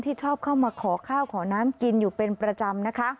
ชอบเข้ามาขอข้าวขอน้ำกินอยู่เป็นประจำนะคะ